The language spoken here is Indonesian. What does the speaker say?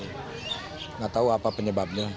nggak tahu apa penyebabnya